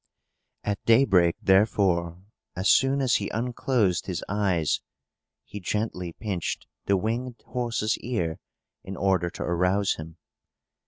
At daybreak, therefore, as soon as he unclosed his eyes, he gently pinched the winged horse's ear, in order to arouse him.